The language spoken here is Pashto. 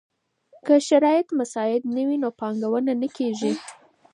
که شرايط مساعد نه وي نو پانګونه نه کيږي.